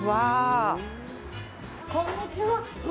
こんにちは。